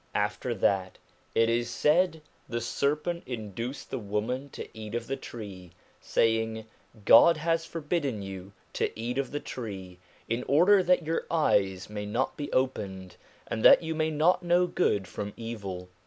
After that it is said the serpent induced the woman to eat of the tree, saying : God has forbidden you to eat of the tree, in order that your eyes may not be opened, and that you may not know good from evil.